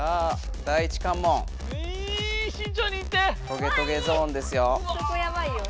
トゲトゲゾーンですよ。